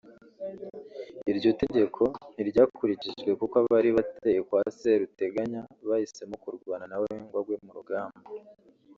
Iryo tegeko ntiryakurikijwe kuko abari bateye kwa Seruteganya bahisemo kurwana nawe ngo agwe mu rugamba